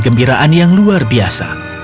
kegembiraan yang luar biasa